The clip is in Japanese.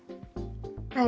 はい。